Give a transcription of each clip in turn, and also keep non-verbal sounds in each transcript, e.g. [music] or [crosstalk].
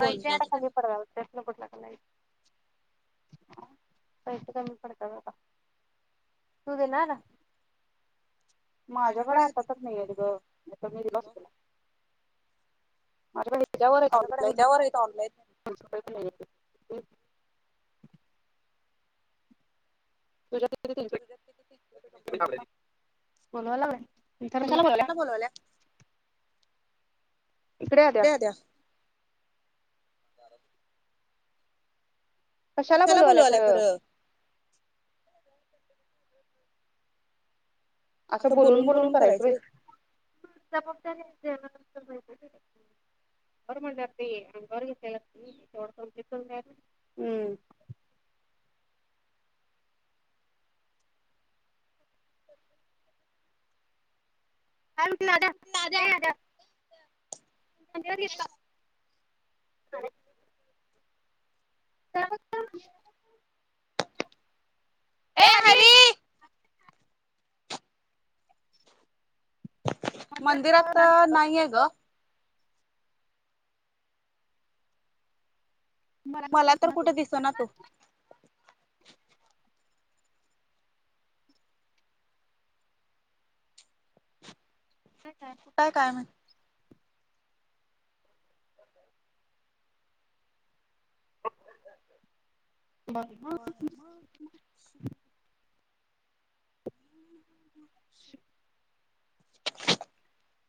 वयचे आता खाली पडवा हो त्याच ना कुठला क नाही हम कमी पडत ब का तू ते ना ना माझ्याकडे आता तर नाही आहे ग मी दि बस तुला मच्याॉ पु तुझ्या त क बोलवा लागथ कड्या द्या काारत कशाला बोलवाला खरं असं बोलून बोलून करायचंव्हय जबाद [unintelligible] बर मणारतीर केलाोड हम्म का ए अ अजला ए ह मंदिरात नाहीये ग मला तर कुठे दिस ना तू काय काय म्हण ममा [unintelligible]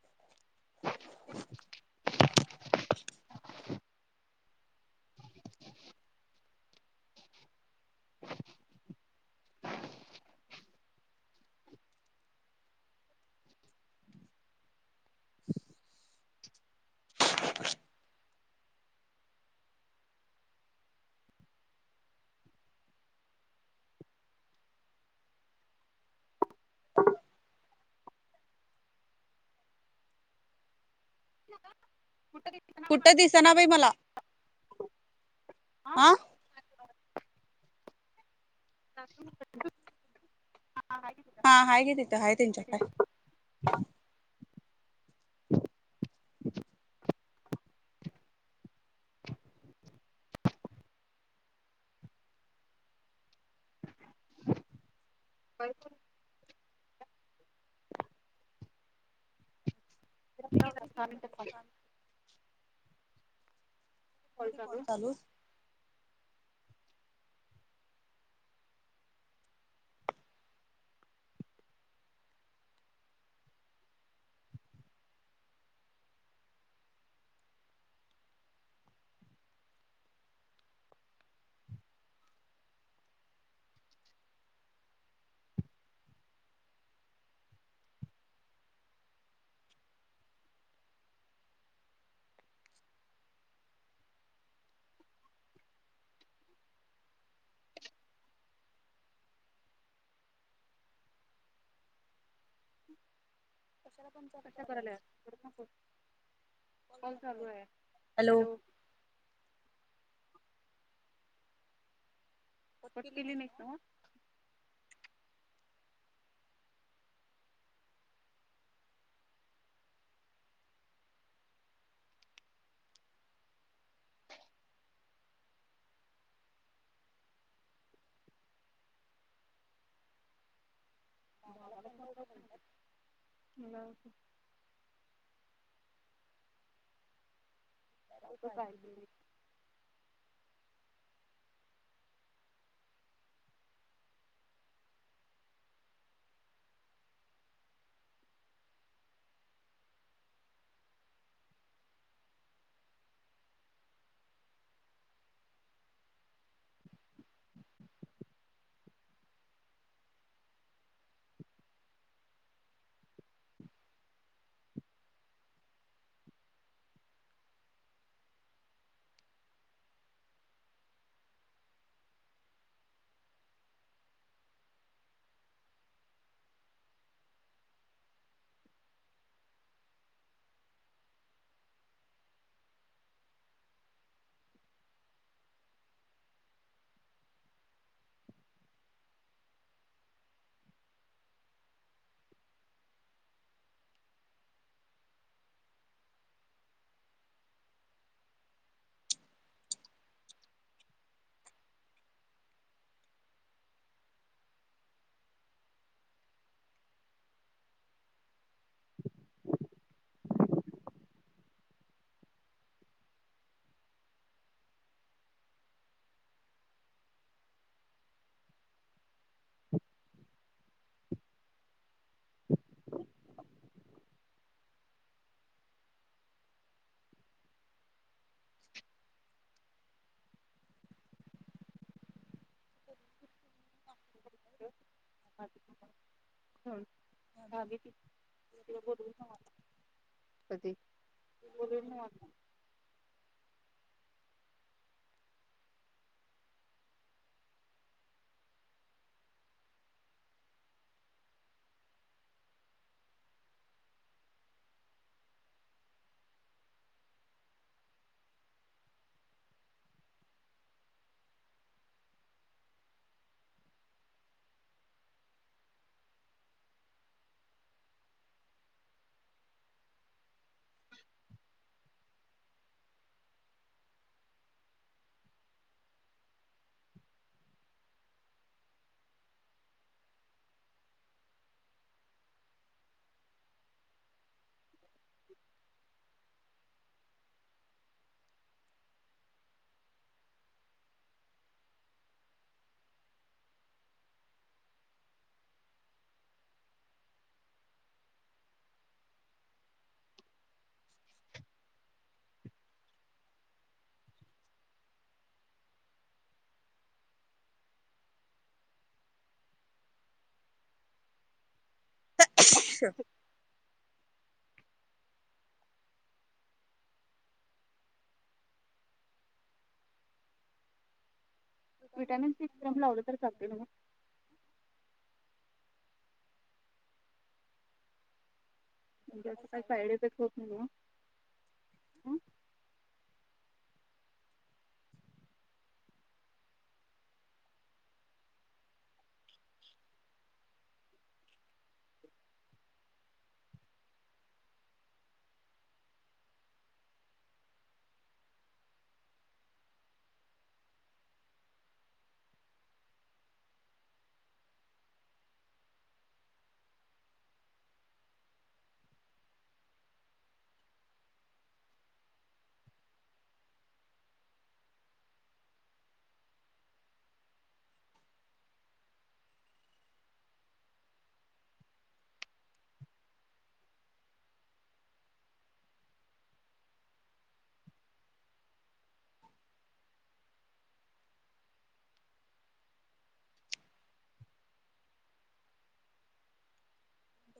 [unintelligible] [inaudible] कुठ कुठं दिसना बाई मला आा [unintelligible] हा ह गे तथ हा तच्याय बत रवली ती बरा स्थान हो ते कॉल चालू कशा करायलापू कोण लू आहे हॅलो पट केली नाही तव्हा ह त्याच कायत [inaudible] हम्म ह उरणण अश विटामिन सी फिरम लावलं तर चालते म म म्हणजे असं काही फायड इफेक्ट होत नाही ना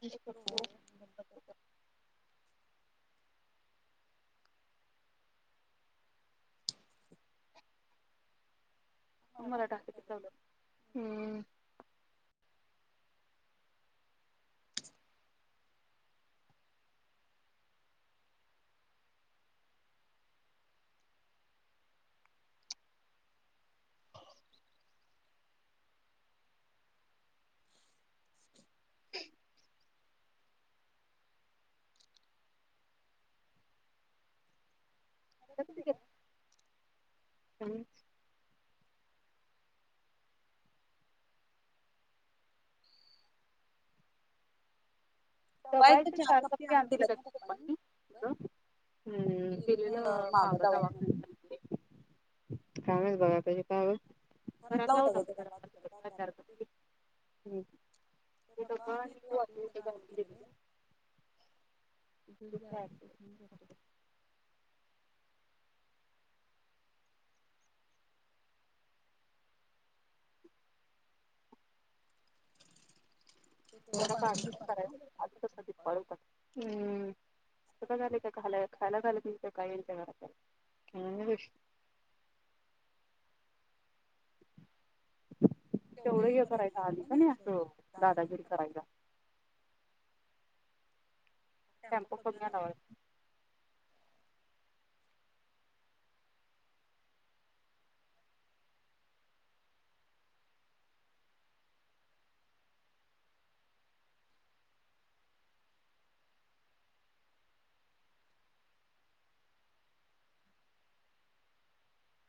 करतो मला टाकीत चाल हम्म अ कती कला च तबायच चार कप्े आणून घ तपन हम्म तिल्लं बाग दवाख कामच बघाताश काय घरात लावता ब का बाजी करताार कर तडबा तू आट उुट गते जडे जलंदारीतजत हम् झालं ख खायलााल त काय का कश केवढं हे करायचं अ का नाही असं दादागिरी करायला. [unintelligible] टेम्पो कड लावा.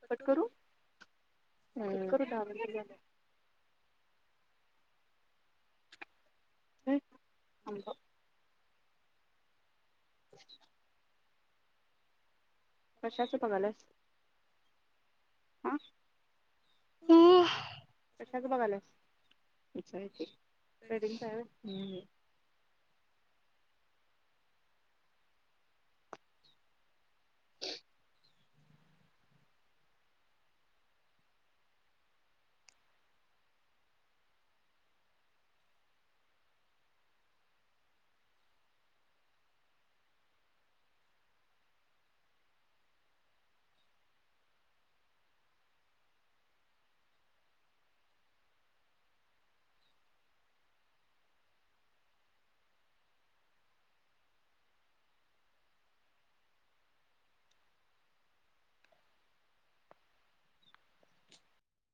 पटकरूट करू दहा मिनिट ह आब [unintelligible] कशाचं बघालास. हा कशाच बघालास. वेडिंग